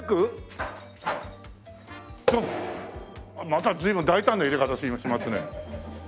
また随分大胆な入れ方しますね。